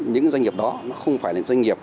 những doanh nghiệp đó không phải là doanh nghiệp